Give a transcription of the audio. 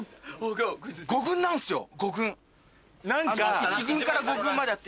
５軍１軍から５軍まであって。